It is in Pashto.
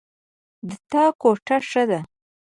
د تا کوټه ښه ده